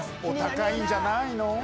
お高いんじゃないの？